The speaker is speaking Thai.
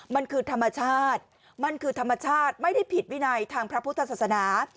มันคือธรรมชาติมันคือธรรมชาติไม่ได้ผิดวินัยทางพระพุทธศาสนา